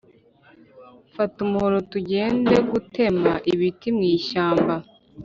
Fata umuhoro tugegutema ibiti mwishyamba